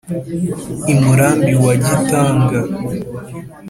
I Murambi wa Gitanga